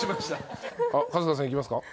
春日さんいきますか。